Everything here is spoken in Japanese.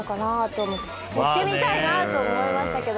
行ってみたいなと思いましたけど。